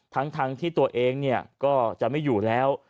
ทั้งที่ตัวเองก็จะไม่อยู่แล้ว